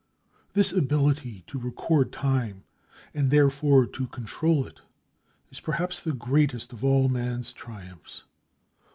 This ability to record time and therefore, to control it, is perhaps the greatest of all man's triumphs.